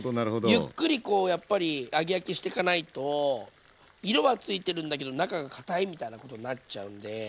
ゆっくりこうやっぱり揚げ焼きしてかないと色はついてるんだけど中がかたいみたいなことになっちゃうんで。